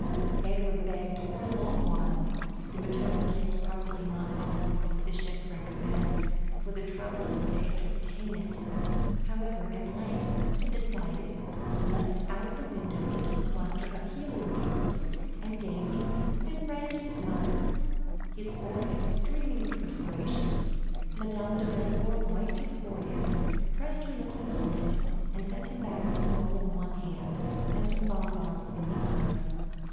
Edward begged for a long while, the maternal kiss probably not offering sufficient recompense for the trouble he must take to obtain it; however at length he decided, leaped out of the window into a cluster of heliotropes and daisies, and ran to his mother, his forehead streaming with perspiration. Madame de Villefort wiped his forehead, pressed her lips upon it, and sent him back with the ball in one hand and some bonbons in the other.